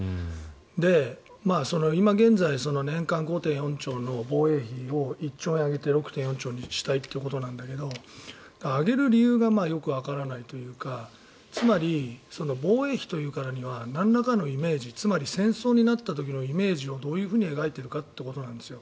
で、今現在年間５．４兆の防衛費を１兆円上げて６．４兆円にしたいということなんだけど上げる理由がよくわからないというかつまり、防衛費というからにはなんらかのイメージつまり戦争になった時のイメージをどういうふうに描いてるかってことなんですよ。